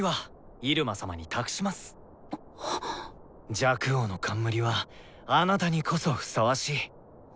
若王の冠はあなたにこそふさわしい。